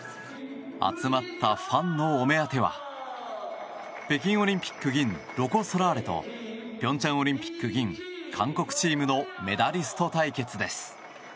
集まったファンのお目当ては北京オリンピック銀ロコ・ソラーレと平昌オリンピック銀韓国チームのメダリスト対決です。